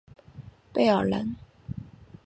贝尔兰。